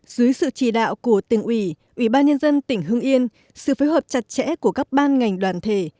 dưới sự chỉ đạo của tỉnh ủy ủy ban nhân dân tỉnh hưng yên sự phối hợp chặt chẽ của các ban ngành đoàn thể